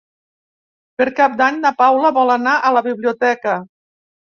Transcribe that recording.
Per Cap d'Any na Paula vol anar a la biblioteca.